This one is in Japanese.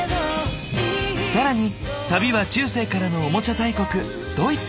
更に旅は中世からのオモチャ大国・ドイツヘ。